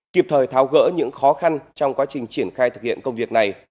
kịp thời tháo gỡ những khó khăn trong quá trình triển khai thực hiện công việc này